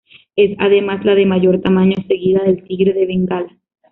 Es además la de mayor tamaño, seguida del tigre de Bengala.